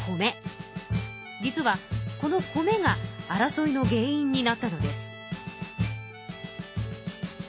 実はこの米が争いの原因になったのです。